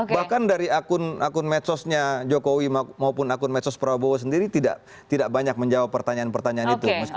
bahkan dari akun medsosnya jokowi maupun akun medsos prabowo sendiri tidak banyak menjawab pertanyaan pertanyaan itu